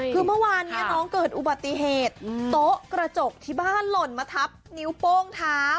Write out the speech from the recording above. คือเมื่อวานนี้น้องเกิดอุบัติเหตุโต๊ะกระจกที่บ้านหล่นมาทับนิ้วโป้งเท้า